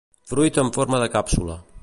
Fruit en forma de càpsula.